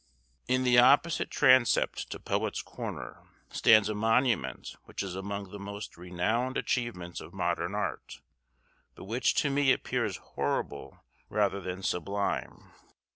In the opposite transept to Poet's Corner stands a monument which is among the most renowned achievements of modern art, but which to me appears horrible rather than sublime.